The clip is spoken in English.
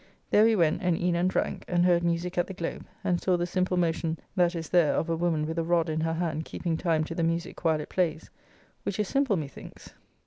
There we went and eat and drank and heard musique at the Globe, and saw the simple motion that is there of a woman with a rod in her hand keeping time to the musique while it plays, which is simple, methinks.